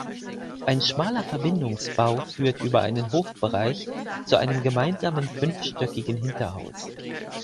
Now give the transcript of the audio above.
Ein schmaler Verbindungsbau führt über einen Hofbereich zu einem gemeinsamen fünfstöckigen Hinterhaus.